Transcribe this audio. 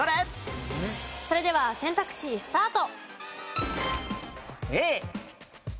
それでは選択肢スタート。